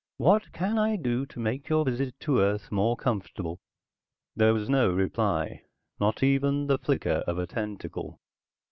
"What can I do to make your visit to Earth more comfortable?" There was no reply, not even the flicker of a tentacle.